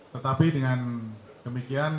tetapi dengan kemikian